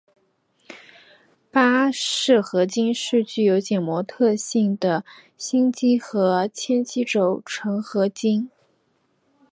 巴氏合金是具有减摩特性的锡基和铅基轴承合金。